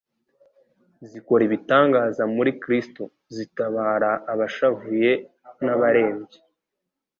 zikora ibitangaza muri Kristo zitabara abashavuye n'abarembye.